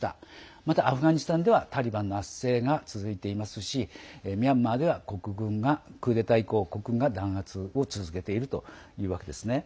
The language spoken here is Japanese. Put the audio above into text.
またアフガニスタンではタリバンが圧制していますしミャンマーでは国軍がクーデター以降弾圧を続けているということです。